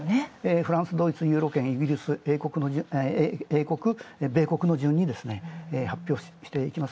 フランス、ドイツ、ユーロ圏、英国、米国の順に発表されていきます。